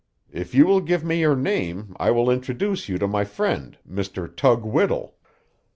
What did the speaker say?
If you will give me your name, I will introduce you to my friend, Mr. Tug Whittle."